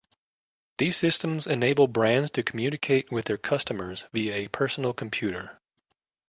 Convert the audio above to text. These systems enable brands to communicate with their customers via a personal computer.